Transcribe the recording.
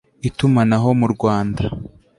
Itumanaho mu Rwanda